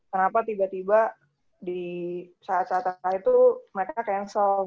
kenapa tiba tiba di saat saat itu mereka cancel